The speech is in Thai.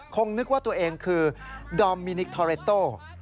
คงนึกว่าตัวเองคือดอมมินิกทอเรตโต้